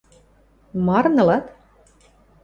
– Марын ылат?